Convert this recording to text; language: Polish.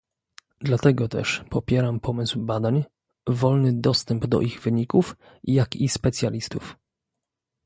Dlatego też popieram pomysł badań, wolny dostęp do ich wyników, jak i specjalistów